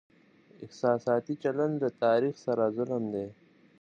احساساتي چلند له تاريخ سره ظلم دی.